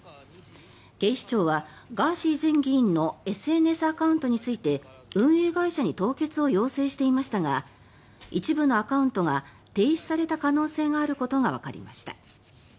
警視庁は、ガーシー前議員のＳＮＳアカウントについて運営会社に凍結を要請していましたが一部のアカウントが停止された可能性があることがわかりました。